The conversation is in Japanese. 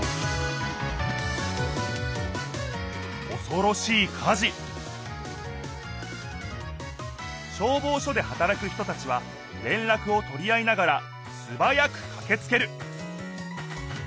おそろしい火事消防署ではたらく人たちは連絡をとり合いながらすばやくかけつける！